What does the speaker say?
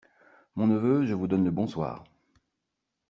Mon neveu, je vous donne le bonsoir.